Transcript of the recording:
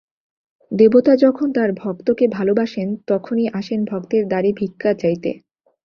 দেবতা যখন তাঁর ভক্তকে ভালোবাসেন তখনই আসেন ভক্তের দ্বারে ভিক্ষা চাইতে।